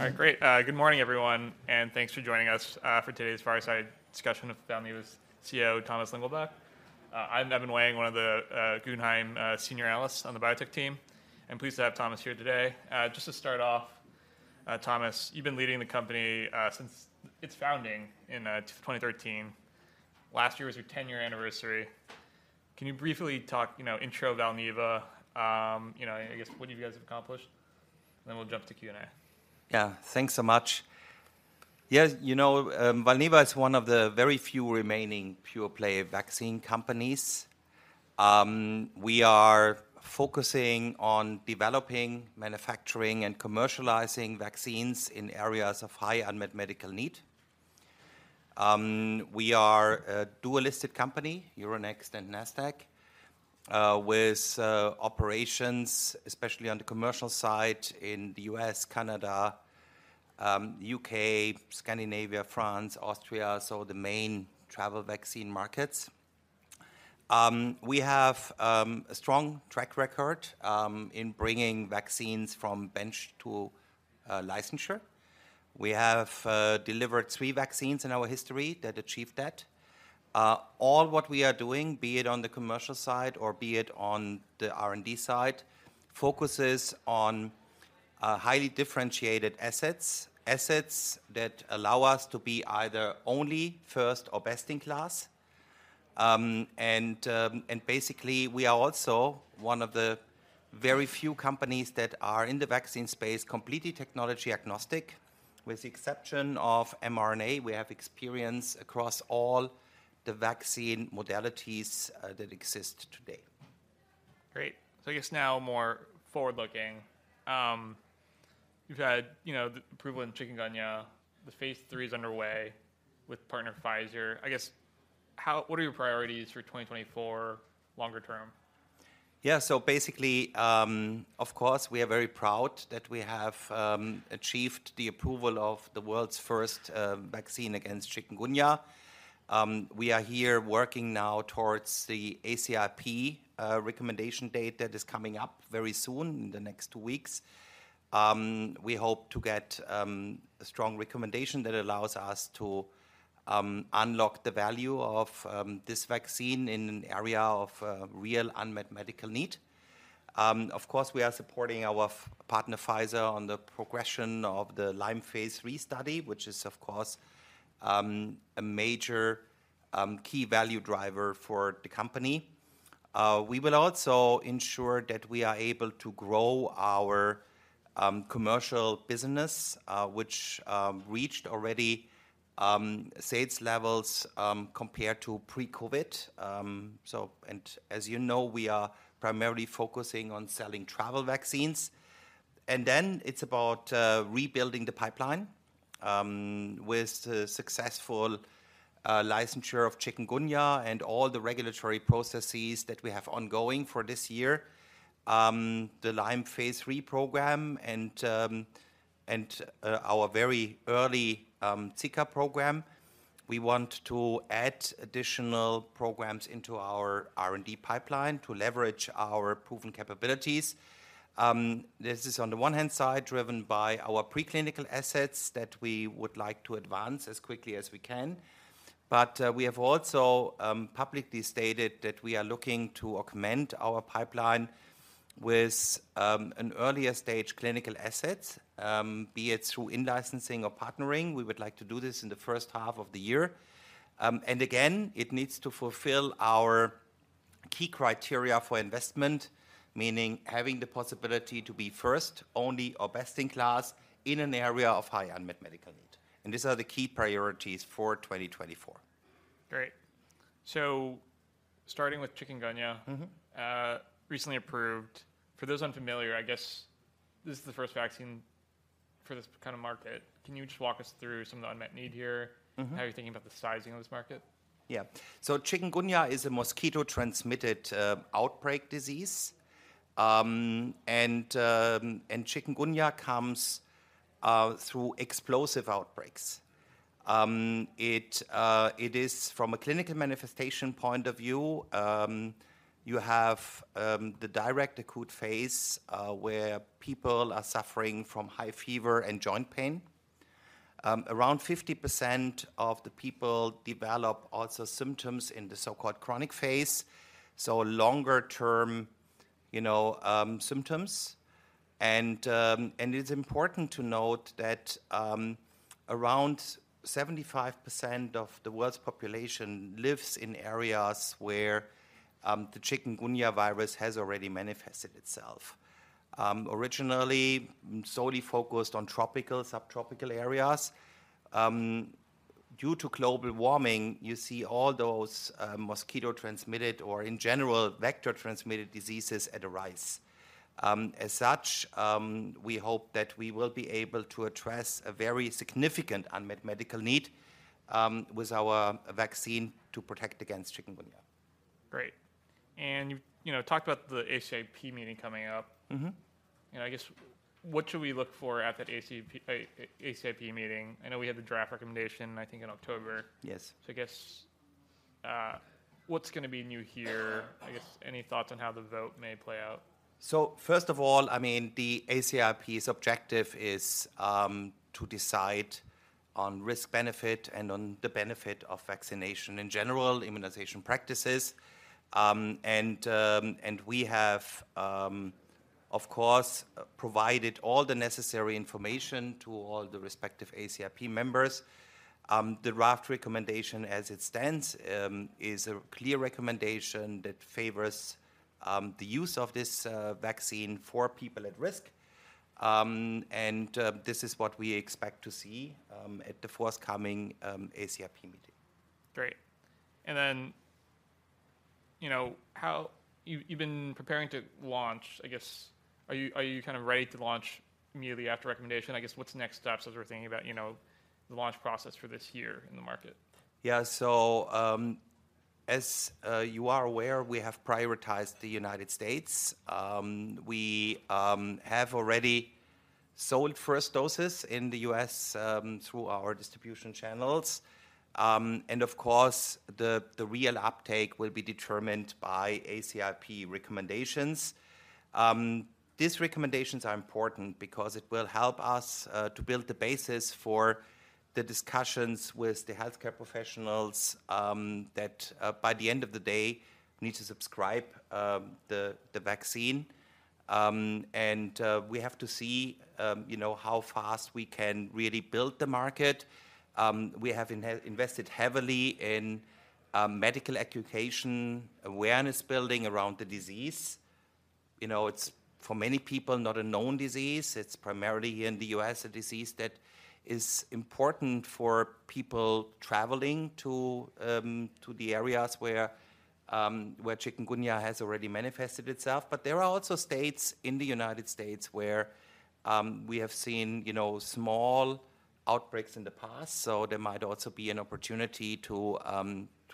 All right, great. Good morning, everyone, and thanks for joining us for today's fireside discussion with Valneva's CEO, Thomas Lingelbach. I'm Evan Wang, one of the Guggenheim senior analysts on the biotech team, and pleased to have Thomas here today. Just to start off, Thomas, you've been leading the company since its founding in 2013. Last year was your ten-year anniversary. Can you briefly talk, you know, intro Valneva, you know, I guess, what you guys have accomplished? Then we'll jump to Q&A. Yeah. Thanks so much. Yes, you know, Valneva is one of the very few remaining pure-play vaccine companies. We are focusing on developing, manufacturing, and commercializing vaccines in areas of high unmet medical need. We are a dual-listed company, Euronext and Nasdaq, with operations, especially on the commercial side, in the U.S., Canada, U.K., Scandinavia, France, Austria, so the main travel vaccine markets. We have a strong track record in bringing vaccines from bench to licensure. We have delivered three vaccines in our history that achieved that. All what we are doing, be it on the commercial side or be it on the R&D side, focuses on highly differentiated assets, assets that allow us to be either only first or best-in-class. Basically, we are also one of the very few companies that are in the vaccine space, completely technology-agnostic, with the exception of mRNA. We have experience across all the vaccine modalities that exist today. Great. So I guess now more forward-looking, you've had, you know, the approval in chikungunya, the phase III is underway with partner Pfizer. I guess, what are your priorities for 2024, longer term? Yeah. So basically, of course, we are very proud that we have achieved the approval of the world's first vaccine against chikungunya. We are here working now towards the ACIP recommendation date that is coming up very soon, in the next two weeks. We hope to get a strong recommendation that allows us to unlock the value of this vaccine in an area of real unmet medical need. Of course, we are supporting our partner, Pfizer, on the progression of the Lyme phase III study, which is, of course, a major key value driver for the company. We will also ensure that we are able to grow our commercial business, which reached already sales levels compared to pre-COVID. As you know, we are primarily focusing on selling travel vaccines. It's about rebuilding the pipeline with the successful licensure of chikungunya and all the regulatory processes that we have ongoing for this year, the Lyme phase III program and our very early Zika program. We want to add additional programs into our R&D pipeline to leverage our proven capabilities. This is on the one hand side, driven by our preclinical assets that we would like to advance as quickly as we can. But we have also publicly stated that we are looking to augment our pipeline with an earlier-stage clinical asset, be it through in-licensing or partnering. We would like to do this in the first half of the year. And again, it needs to fulfill our key criteria for investment, meaning having the possibility to be first, only or best in class in an area of high unmet medical need, and these are the key priorities for 2024. Great. So starting with chikungunya- Mm-hmm. Recently approved, for those unfamiliar, I guess, this is the first vaccine for this kind of market. Can you just walk us through some of the unmet need here? Mm-hmm. How are you thinking about the sizing of this market? Yeah. So chikungunya is a mosquito-transmitted outbreak disease. And chikungunya comes through explosive outbreaks. It is from a clinical manifestation point of view, you have the direct acute phase, where people are suffering from high fever and joint pain. Around 50% of the people develop also symptoms in the so-called chronic phase, so longer-term, you know, symptoms. And it's important to note that, around 75% of the world's population lives in areas where the chikungunya virus has already manifested itself. Originally, solely focused on tropical, subtropical areas. Due to global warming, you see all those mosquito-transmitted, or in general, vector-transmitted diseases at a rise. As such, we hope that we will be able to address a very significant unmet medical need with our vaccine to protect against chikungunya. Great. You've, you know, talked about the ACIP meeting coming up. Mm-hmm. You know, I guess, what should we look for at that ACIP meeting? I know we had the draft recommendation, I think, in October. Yes. So I guess, what's gonna be new here? I guess, any thoughts on how the vote may play out? So first of all, I mean, the ACIP's objective is to decide on risk-benefit and on the benefit of vaccination in general, immunization practices. And we have, of course, provided all the necessary information to all the respective ACIP members. The draft recommendation as it stands is a clear recommendation that favors the use of this vaccine for people at risk. And this is what we expect to see at the forthcoming ACIP meeting. Great. And then, you know, how... You've been preparing to launch, I guess, are you kind of ready to launch immediately after recommendation? I guess, what's the next steps as we're thinking about, you know, the launch process for this year in the market? Yeah. So, as you are aware, we have prioritized the United States. We have already sold first doses in the U.S., through our distribution channels. And of course, the real uptake will be determined by ACIP recommendations. These recommendations are important because it will help us to build the basis for the discussions with the healthcare professionals, that by the end of the day, need to prescribe the vaccine. And we have to see, you know, how fast we can really build the market. We have invested heavily in medical education, awareness building around the disease. You know, it's for many people, not a known disease. It's primarily, in the U.S., a disease that is important for people traveling to the areas where chikungunya has already itself. But there are also states in the United States where we have seen, you know, small outbreaks in the past, so there might also be an opportunity to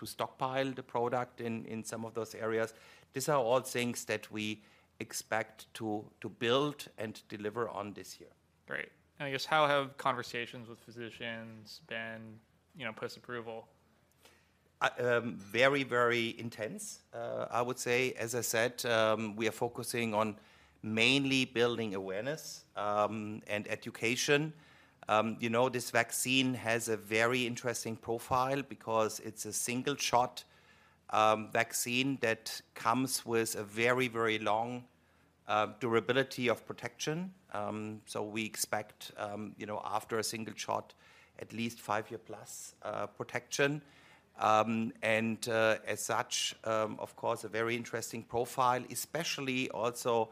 stockpile the product in some of those areas. These are all things that we expect to build and deliver on this year. Great. I guess, how have conversations with physicians been, you know, post-approval? Very, very intense. I would say, as I said, we are focusing on mainly building awareness, and education. You know, this vaccine has a very interesting profile because it's a single-shot, vaccine that comes with a very, very long, durability of protection. So we expect, you know, after a single shot, at least five-year plus, protection. And, as such, of course, a very interesting profile, especially also,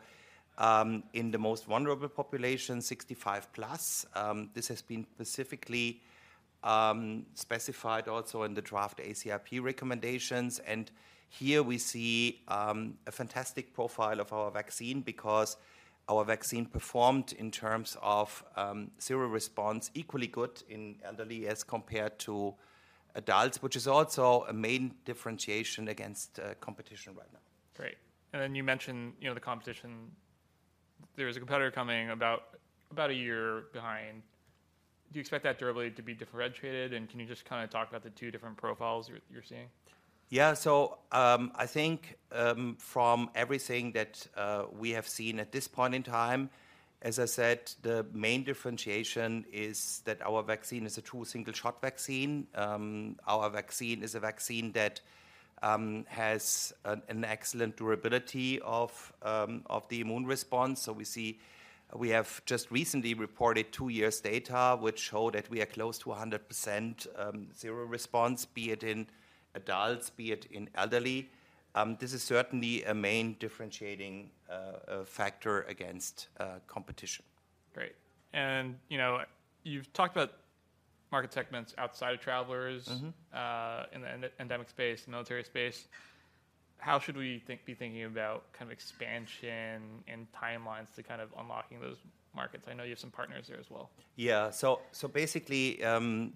in the most vulnerable population, 65+. This has been specifically, specified also in the draft ACIP recommendations, and here we see, a fantastic profile of our vaccine because our vaccine performed in terms of, seroresponse, equally good in elderly as compared to adults, which is also a main differentiation against, competition right now. Great. And then you mentioned, you know, the competition. There is a competitor coming about a year behind. Do you expect that durability to be differentiated, and can you just kinda talk about the two different profiles you're seeing? Yeah. So, I think, from everything that we have seen at this point in time, as I said, the main differentiation is that our vaccine is a true single-shot vaccine. Our vaccine is a vaccine that has an excellent durability of the immune response. So we see... We have just recently reported two years data, which show that we are close to 100% seroresponse, be it in adults, be it in elderly. This is certainly a main differentiating factor against competition. Great. And, you know, you've talked about market segments outside of travelers- Mm-hmm... in the endemic space, military space. How should we think, be thinking about kind of expansion and timelines to kind of unlocking those markets? I know you have some partners there as well. Yeah. So basically,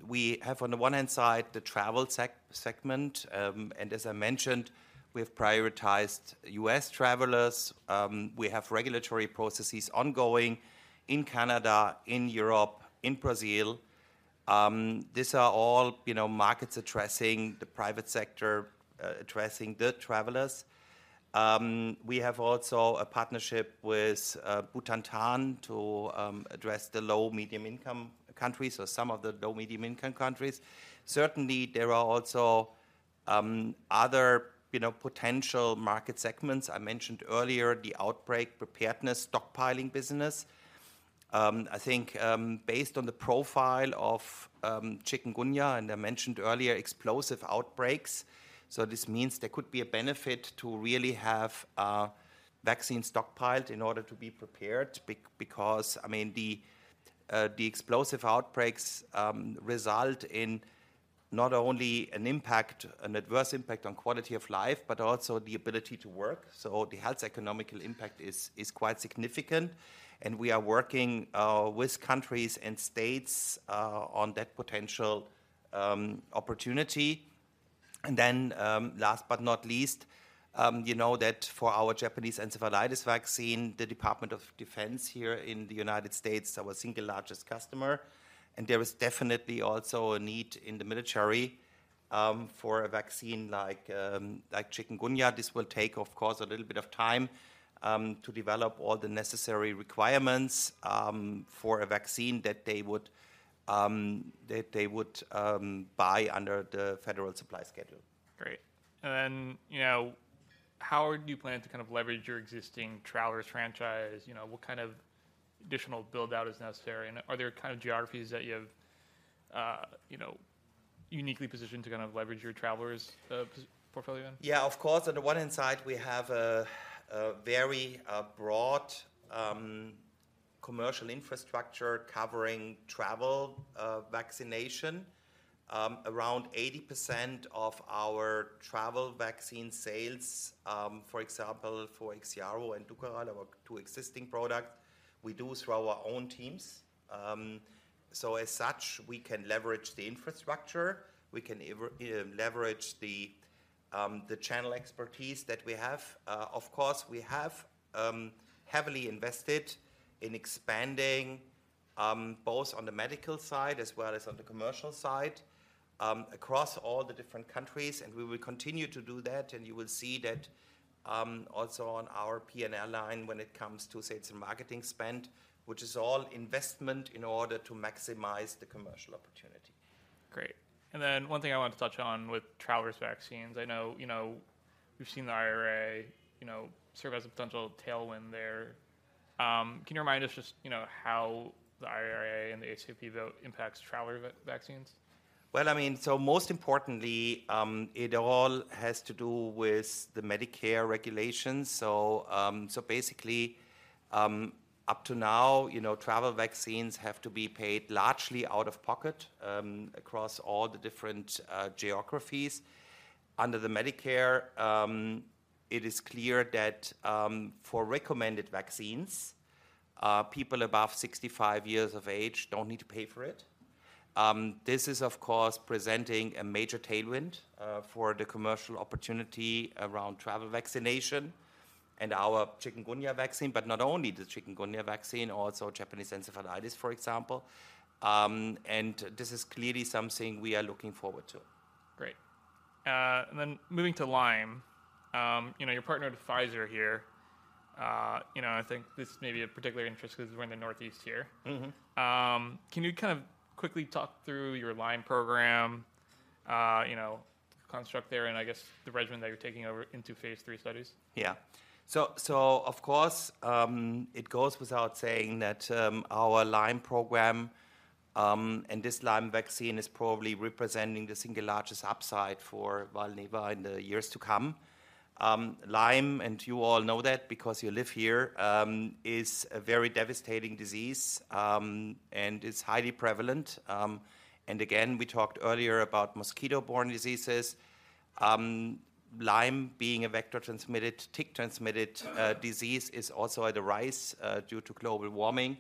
we have on the one hand side, the travel segment, and as I mentioned, we've prioritized U.S. travelers. We have regulatory processes ongoing in Canada, in Europe, in Brazil. These are all, you know, markets addressing the private sector, addressing the travelers. We have also a partnership with Butantan to address the low, medium-income countries or some of the low, medium-income countries. Certainly, there are also other, you know, potential market segments. I mentioned earlier, the outbreak preparedness, stockpiling business. I think, based on the profile of chikungunya, and I mentioned earlier, explosive outbreaks, so this means there could be a benefit to really have vaccine stockpiled in order to be prepared because, I mean, the, the explosive outbreaks result in not only an impact, an adverse impact on quality of life, but also the ability to work. So the health economical impact is, is quite significant, and we are working with countries and states on that potential opportunity. And then, last but not least, you know that for our Japanese encephalitis vaccine, the Department of Defense here in the United States, our single largest customer, and there is definitely also a need in the military... For a vaccine like chikungunya, this will take, of course, a little bit of time to develop all the necessary requirements for a vaccine that they would buy under the Federal Supply Schedule. Great. Then, you know, how do you plan to kind of leverage your existing Travelers franchise? You know, what kind of additional build-out is necessary, and are there kind of geographies that you have, you know, uniquely positioned to kind of leverage your travelers portfolio in? Yeah, of course. On the one hand side, we have a very broad commercial infrastructure covering travel vaccination. Around 80% of our travel vaccine sales, for example, for IXIARO and Dukoral, our two existing products, we do through our own teams. So as such, we can leverage the infrastructure, we can ever leverage the channel expertise that we have. Of course, we have heavily invested in expanding both on the medical side as well as on the commercial side across all the different countries, and we will continue to do that, and you will see that also on our P&L line when it comes to sales and marketing spend, which is all investment in order to maximize the commercial opportunity. Great. And then one thing I wanted to touch on with traveler vaccines, I know, you know, we've seen the IRA, you know, serve as a potential tailwind there. Can you remind us just, you know, how the IRA and the ACIP vote impacts traveler vaccines? Well, I mean, so most importantly, it all has to do with the Medicare regulations. So, basically, up to now, you know, travel vaccines have to be paid largely out of pocket, across all the different, geographies. Under the Medicare, it is clear that, for recommended vaccines, people above 65 years of age don't need to pay for it. This is, of course, presenting a major tailwind, for the commercial opportunity around travel vaccination and our chikungunya vaccine, but not only the chikungunya vaccine, also Japanese encephalitis, for example. And this is clearly something we are looking forward to. Great. And then moving to Lyme, you know, you're partnered with Pfizer here. You know, I think this may be of particular interest because we're in the Northeast here. Mm-hmm. Can you kind of quickly talk through your Lyme program, you know, construct there, and I guess the regimen that you're taking over into phase III studies? Yeah. So of course, it goes without saying that our Lyme program and this Lyme vaccine is probably representing the single largest upside for Valneva in the years to come. Lyme, and you all know that because you live here, is a very devastating disease and is highly prevalent. And again, we talked earlier about mosquito-borne diseases. Lyme, being a vector-transmitted, tick-transmitted disease, is also on the rise due to global warming.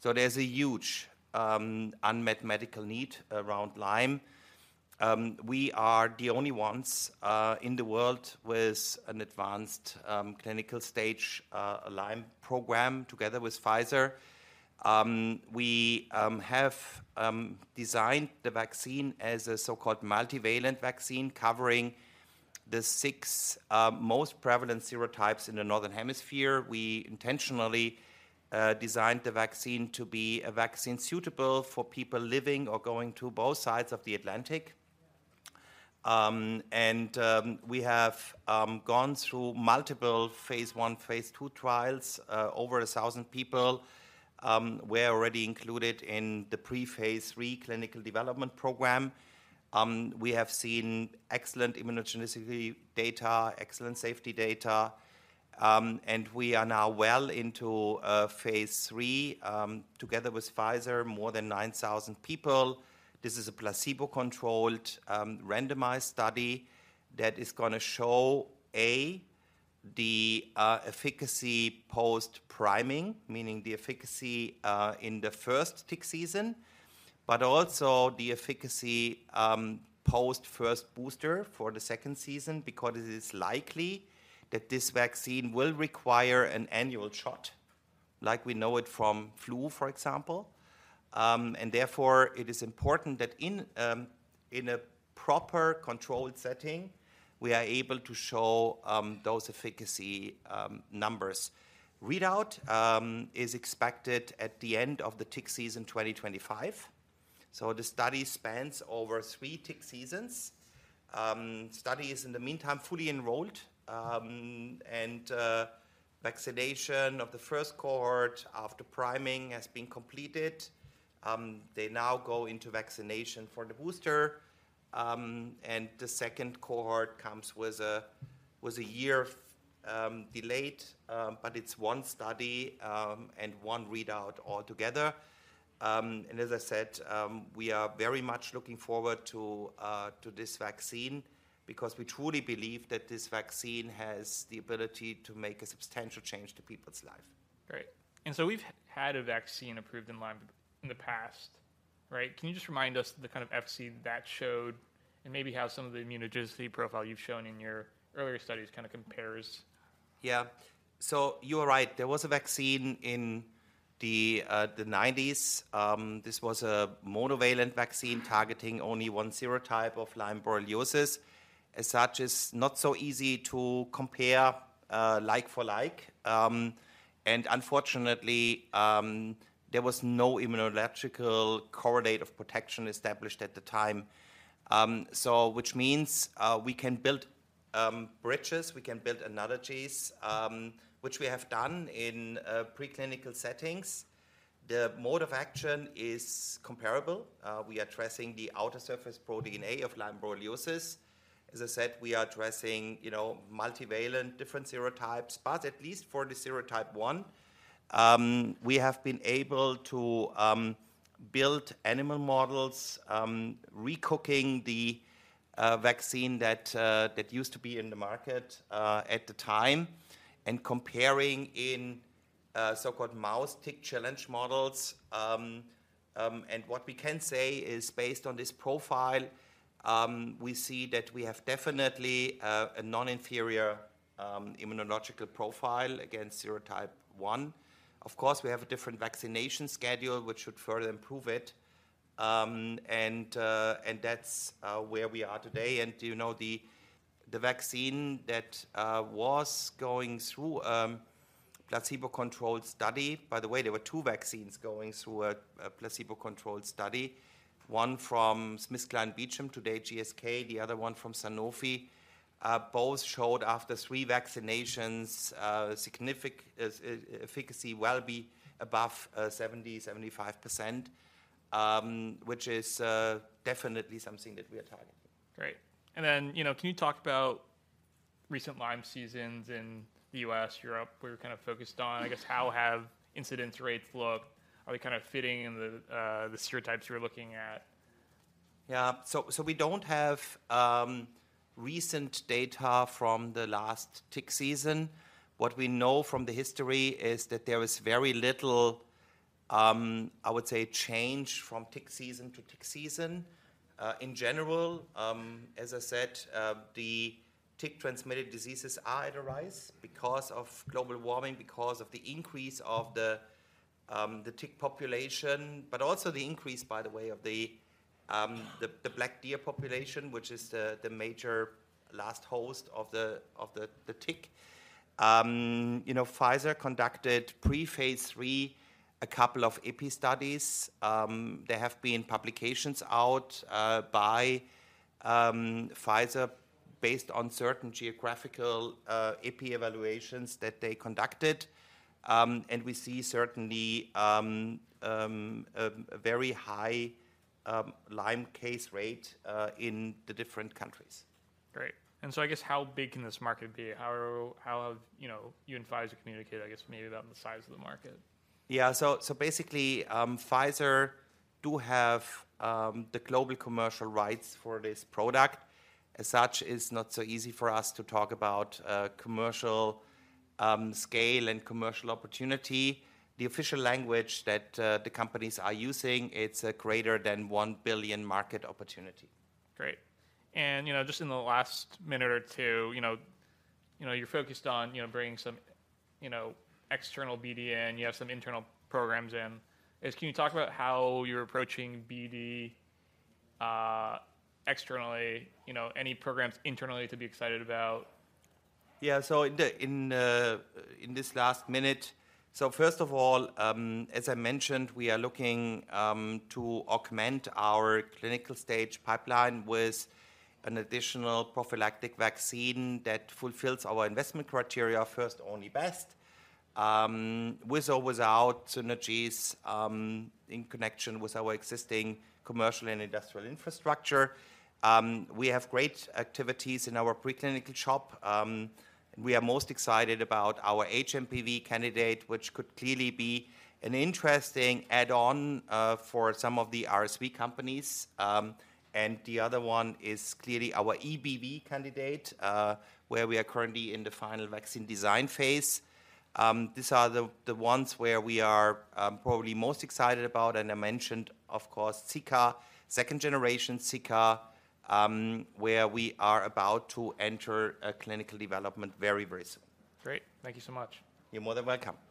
So there's a huge unmet medical need around Lyme. We are the only ones in the world with an advanced clinical stage Lyme program, together with Pfizer. We have designed the vaccine as a so-called multivalent vaccine, covering the six most prevalent serotypes in the northern hemisphere. We intentionally designed the vaccine to be a vaccine suitable for people living or going to both sides of the Atlantic. And we have gone through multiple phase I, phase II trials, over 1,000 people. We're already included in the pre-phase III clinical development program. We have seen excellent immunogenicity data, excellent safety data, and we are now well into phase III together with Pfizer, more than 9,000 people. This is a placebo-controlled randomized study that is gonna show, A, the efficacy post-priming, meaning the efficacy in the first tick season, but also the efficacy post first booster for the second season, because it is likely that this vaccine will require an annual shot like we know it from flu, for example. And therefore, it is important that in a proper controlled setting, we are able to show those efficacy numbers. Readout is expected at the end of the tick season, 2025. So the study spans over three tick seasons. Study is, in the meantime, fully enrolled, and vaccination of the first cohort after priming has been completed. They now go into vaccination for the booster, and the second cohort comes with a year delayed, but it's one study, and one readout altogether. And as I said, we are very much looking forward to this vaccine because we truly believe that this vaccine has the ability to make a substantial change to people's life. Great. So we've had a vaccine approved in Lyme in the past, right? Can you just remind us the kind of efficacy that showed, and maybe how some of the immunogenicity profile you've shown in your earlier studies kind of compares? Yeah. So you are right, there was a vaccine in the 1990s, this was a monovalent vaccine targeting only one serotype of Lyme borreliosis. As such, it's not so easy to compare like for like. And unfortunately, there was no immunological correlate of protection established at the time. So which means, we can build bridges, we can build analogies, which we have done in preclinical settings. The mode of action is comparable. We are addressing the outer surface protein A of Lyme borreliosis. As I said, we are addressing, you know, multivalent different serotypes, but at least for the serotype one, we have been able to build animal models, recreating the vaccine that used to be in the market at the time, and comparing in so-called mouse tick challenge models. What we can say is, based on this profile, we see that we have definitely a non-inferior immunological profile against serotype 1. Of course, we have a different vaccination schedule, which should further improve it. And that's where we are today. And you know, the vaccine that was going through a placebo-controlled study. By the way, there were two vaccines going through a placebo-controlled study, one from SmithKline Beecham, today GSK, the other one from Sanofi. Both showed, after three vaccinations, significant efficacy well above 70%-75%, which is definitely something that we are targeting. Great. And then, you know, can you talk about recent Lyme seasons in the U.S., Europe, where you're kind of focused on? I guess, how have incidence rates looked? Are they kind of fitting in the the serotypes you're looking at? Yeah. So we don't have recent data from the last tick season. What we know from the history is that there is very little, I would say, change from tick season to tick season. In general, as I said, the tick-transmitted diseases are at a rise because of global warming, because of the increase of the tick population, but also the increase, by the way, of the black deer population, which is the major last host of the tick. You know, Pfizer conducted pre-phase III, a couple of epi studies. There have been publications out by Pfizer based on certain geographical epi evaluations that they conducted, and we see certainly a very high Lyme case rate in the different countries. Great. And so I guess, how big can this market be? How have, you know, you and Pfizer communicated, I guess, maybe about the size of the market? Yeah. So, so basically, Pfizer do have the global commercial rights for this product. As such, it's not so easy for us to talk about commercial scale and commercial opportunity. The official language that the companies are using, it's a greater than $1 billion market opportunity. Great. And, you know, just in the last minute or two, you know, you know, you're focused on, you know, bringing some, you know, external BD in, you have some internal programs in. Can you talk about how you're approaching BD externally? You know, any programs internally to be excited about? Yeah. So in this last minute... So first of all, as I mentioned, we are looking to augment our clinical-stage pipeline with an additional prophylactic vaccine that fulfills our investment criteria, first, only best, with or without synergies, in connection with our existing commercial and industrial infrastructure. We have great activities in our preclinical shop, and we are most excited about our HMPV candidate, which could clearly be an interesting add-on for some of the RSV companies. And the other one is clearly our EBV candidate, where we are currently in the final vaccine design phase. These are the ones where we are probably most excited about, and I mentioned, of course, Zika, second generation Zika, where we are about to enter a clinical development very, very soon. Great. Thank you so much. You're more than welcome.